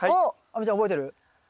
亜美ちゃん覚えてる？